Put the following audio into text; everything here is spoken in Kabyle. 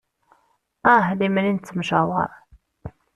Ah lemmer i nettemcawaṛ.